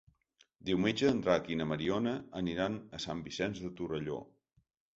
Diumenge en Drac i na Mariona aniran a Sant Vicenç de Torelló.